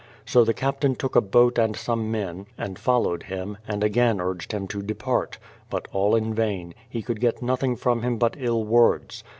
So the captain took a boat and some men, and followed him, and again urged him to depart. But all in vain ; he could get nothing from him but ill words.